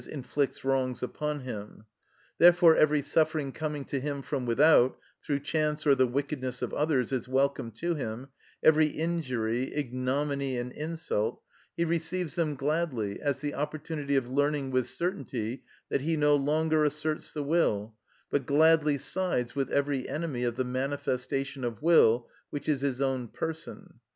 _, inflicts wrongs upon him. Therefore every suffering coming to him from without, through chance or the wickedness of others, is welcome to him, every injury, ignominy, and insult; he receives them gladly as the opportunity of learning with certainty that he no longer asserts the will, but gladly sides with every enemy of the manifestation of will which is his own person.